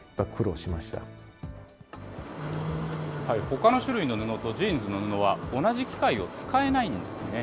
ほかの種類の布と、ジーンズの布は同じ機械を使えないんですね。